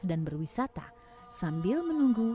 dan berwisata sambil menunggu